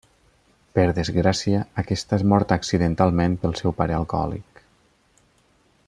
Per desgràcia, aquesta és morta accidentalment pel seu pare alcohòlic.